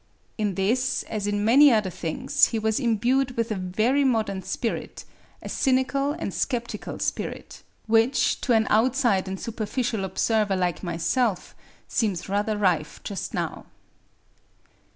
In this, as in many other things, he was imbued with a very modern spirit, a cynical and sceptical spirit, which, to an outside and superficial observer like myself, seems rather rife just now.